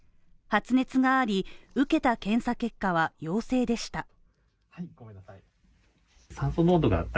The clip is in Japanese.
発熱があり、受けた検査結果は陽性でした。